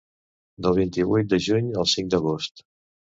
Del vint-i-vuit de juny al cinc d’agost.